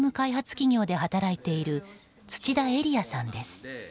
企業で働いている土田英理也さんです。